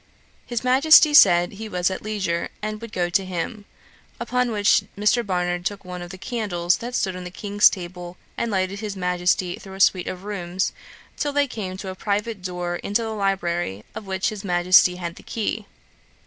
His Majesty said he was at leisure, and would go to him; upon which Mr. Barnard took one of the candles that stood on the King's table, and lighted his Majesty through a suite of rooms, till they came to a private door into the library, of which his Majesty had the key.